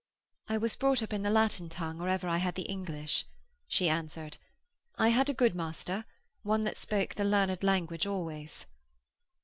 'I was brought up in the Latin tongue or ever I had the English,' she answered. 'I had a good master, one that spoke the learned language always.'